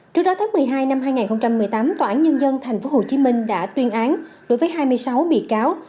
trước đó tháng một mươi hai năm hai nghìn một mươi tám tòa án nhân dân tp hcm đã tuyên án đối với hai mươi sáu bị cáo